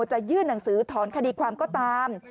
จะยื่นหนังสือถอนคดีความก็ตาม